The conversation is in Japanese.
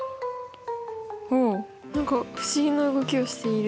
おお何か不思議な動きをしている。